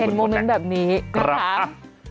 เห็นโมเม้นแบบนี้นะครับ